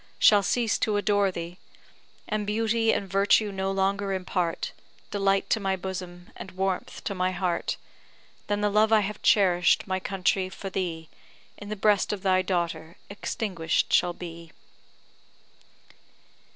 shall cease to adore thee, And beauty and virtue no longer impart Delight to my bosom, and warmth to my heart, Then the love I have cherish'd, my country, for thee, In the breast of thy daughter extinguish'd shall be.